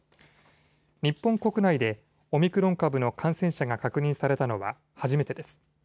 日本国内でオミクロン株の感染者が確認されたのは初めてです。